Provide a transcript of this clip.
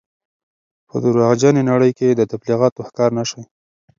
په درواغجنې نړۍ کې د تبلیغاتو ښکار نه شئ.